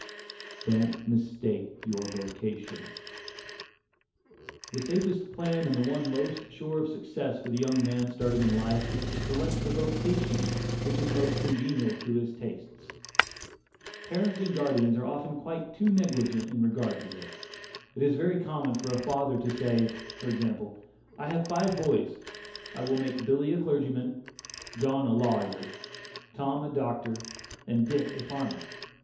DON'T MISTAKE YOUR VOCATION. The safest plan, and the one most sure of success for the young man starting in life, is to select the vocation which is most congenial to his tastes. Parents and guardians are often quite too negligent in regard to this. It is very common for a father to say, for example: "I have five boys. I will make Billy a clergyman; John a lawyer; Tom a doctor, and Dick a farmer."